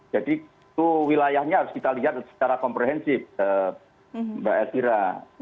jadi itu wilayahnya harus kita lihat secara komprehensif mbak eswira